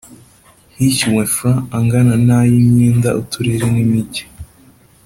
Hishyuwe Frw angana na y imyenda Uturere n Imijyi